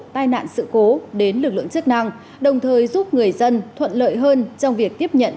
tai nạn sự cố đến lực lượng chức năng đồng thời giúp người dân thuận lợi hơn trong việc tiếp nhận